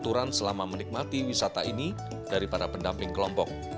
aturan selama menikmati wisata ini dari para pendamping kelompok